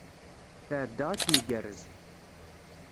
Tɛedda akken igerrez.